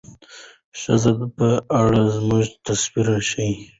د ښځې په اړه زموږ تصور ښيي.